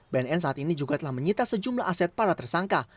bnn saat ini juga telah menyita sejumlah aset para tersangka